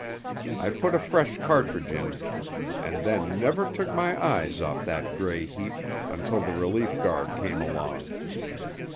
I put a fresh cartridge in, and then never took my eyes off that gray heap until the relief guard came along.